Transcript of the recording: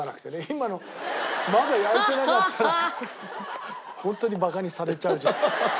今のまだ焼いてなかったらホントにバカにされちゃうじゃん。